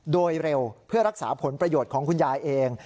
โดยเร็วเพื่อรักษาผลประโยชน์ของคุณยายเอง